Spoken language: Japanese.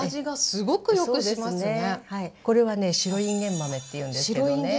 これはね「白いんげん豆」っていうんですけどね。